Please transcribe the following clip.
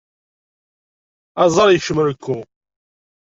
Aẓar yekcem rekku.